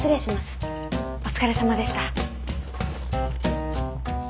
お疲れさまでした。